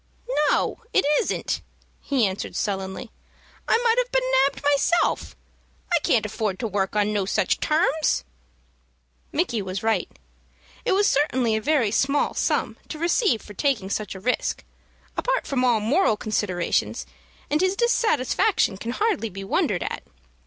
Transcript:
"No, it isn't," he answered, sullenly. "I might 'ave been nabbed myself. I can't afford to work on no such terms." Micky was right. It certainly was a very small sum to receive for taking such a risk, apart from all moral considerations, and his dissatisfaction can hardly be wondered at.